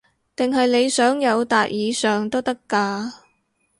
定係你想友達以上都得㗎